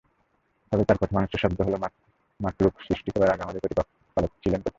তবে তার প্রথমাংশের শব্দ হলো মাখলুক সৃষ্টি করার আগে আমাদের প্রতিপালক কোথায় ছিলেন?